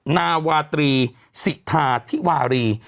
นาวาตรีสิทาธิวารี